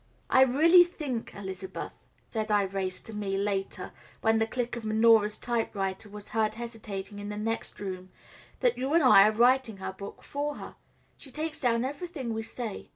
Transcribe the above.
"I really think, Elizabeth," said Irais to me later, when the click of Minora's typewriter was heard hesitating in the next room, "that you and I are writing her book for her. She takes down everything we say.